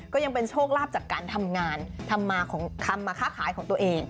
ก็ยังเป็นโชคลาภจากการทำงานทำมาค้าขายของตัวเอง